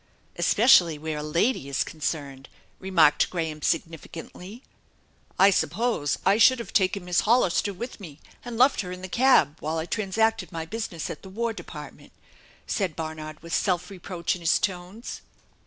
" Especially where a lady is concerned !" remarked Graham significantly. " I supf ose I should have taken Miss Hollister with me and left her in the cab while I transacted my business at the 287 88 THE ENCHANTED BARN War Department !" said Barnard with self reproach in his tones.